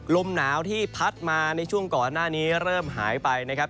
ลมหนาวที่พัดมาในช่วงก่อนหน้านี้เริ่มหายไปนะครับ